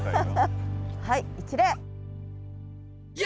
はい一礼！